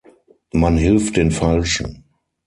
Man hilft den Falschen.